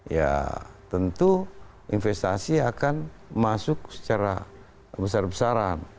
ya tentu investasi akan masuk secara besar besaran